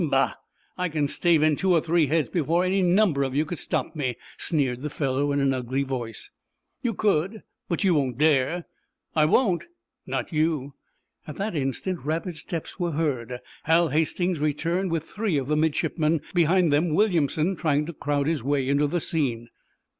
"Bah! I can stave in two or three heads before any number of you could stop me," sneered the fellow, in an ugly voice. "You could, but you won't dare." "I won't?" "Not you!" At that instant rapid steps were heard. Hal Hastings returned with three of the midshipmen, behind them Williamson trying to crowd his way into the scene.